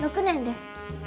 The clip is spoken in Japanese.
６年です。